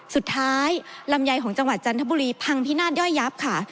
ลำไยของจังหวัดจันทบุรีพังพินาศย่อยยับค่ะ